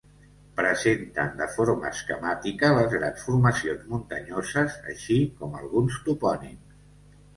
Presenten de forma esquemàtica les grans formacions muntanyoses així com alguns topònims.